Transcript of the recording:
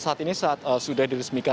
saat ini saat sudah diresmikan